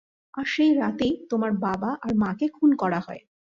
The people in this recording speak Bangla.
আর সেই রাতেই, তোমার বাবা আর মাকে খুন করা হয়।